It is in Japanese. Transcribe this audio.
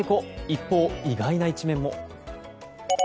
一方、意外な一面も。